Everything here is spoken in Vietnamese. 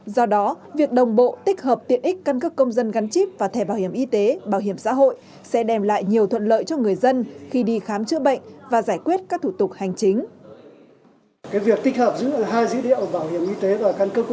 do đó việc đồng bộ tích hợp tiện ích căn cấp công dân gắn chip và thẻ bảo hiểm y tế bảo hiểm xã hội sẽ đem lại nhiều thuận lợi ngay từ cấp chính quyền cơ sở dữ liệu quốc gia về dân cư